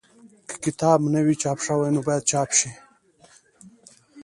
که کتاب نه وي چاپ شوی نو باید چاپ شي.